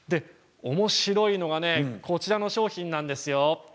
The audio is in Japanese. おもしろいのが、こちらの商品なんですよ。